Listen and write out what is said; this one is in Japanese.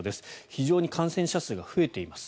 非常に感染者数が増えています。